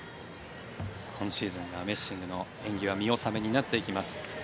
今シーズンでメッシングの演技は見納めになっていきます。